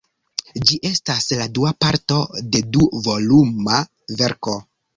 Ĝi estas la dua parto de du-voluma verko.